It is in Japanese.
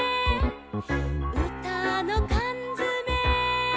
「うたのかんづめ」